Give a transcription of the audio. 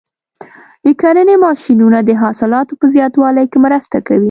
د کرنې ماشینونه د حاصلاتو په زیاتوالي کې مرسته کوي.